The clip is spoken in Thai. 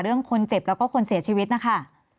เรื่องคนเจ็บแล้วก็คนเสียชีวิตนะคะ